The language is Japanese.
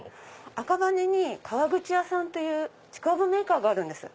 赤羽に川口屋さんっていうちくわぶメーカーがあるんです。